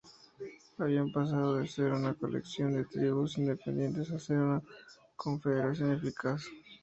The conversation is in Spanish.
Habían pasado de ser una colección de tribus independientes a ser una confederación eficaz.